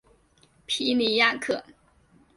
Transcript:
皮尼亚克。